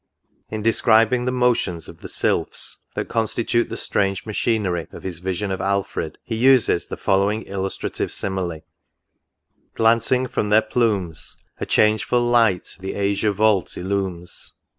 In describing the motions of the Sylphs, that constitute the strange machinery of his " Vision of Alfred," he uses the following illustrative simile: —" glancing from their plumes A changeful light the azure vault illumes. 42 NOTES.